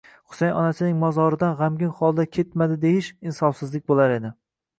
Husayin onasining mozoridan g'amgin holda ketmadi deyish insofsizlik bo'lar edi.